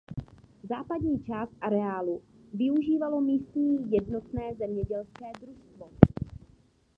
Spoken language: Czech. Západní část areálu využívalo místní jednotné zemědělské družstvo.